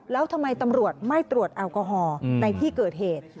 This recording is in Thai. แล้วทำไมตำรวจไม่ตรวจแอลกอฮอล์ในที่เกิดเหตุ